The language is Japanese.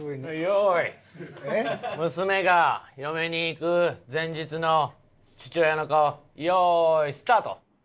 用意娘が嫁に行く前日の父親の顔用意スタート！